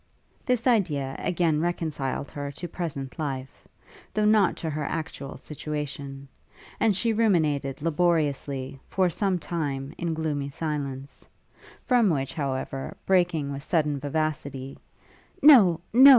This idea again reconciled her to present life, though not to her actual situation; and she ruminated laboriously, for some time, in gloomy silence; from which, however, breaking with sudden vivacity, 'No, no!'